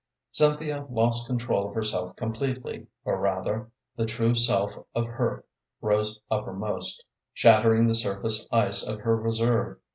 Cynthia lost control of herself completely; or, rather, the true self of her rose uppermost, shattering the surface ice of her reserve.